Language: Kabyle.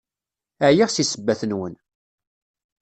Ɛyiɣ seg ssebbat-nwen!